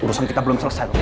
urusan kita belum selesai